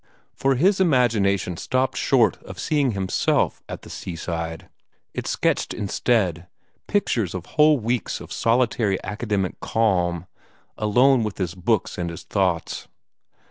For his imagination stopped short of seeing himself at the seaside. It sketched instead pictures of whole weeks of solitary academic calm, alone with his books and his thoughts.